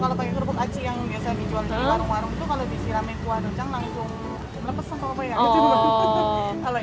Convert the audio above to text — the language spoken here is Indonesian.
kalau pakai kelompok aci yang biasa dijual di warung warung itu kalau disiramin kuah docang langsung melepasan sama banyak gitu